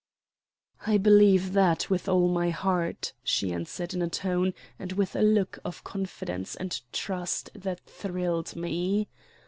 "I believe that with all my heart," she answered, in a tone and with a look of confidence and trust that thrilled me.